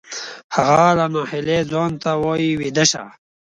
هغه له ناهیلۍ ځان ته وایی ویده شه